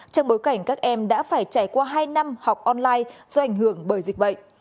trong bối cảnh các em đã phải trải qua hai năm học online do ảnh hưởng bởi dịch bệnh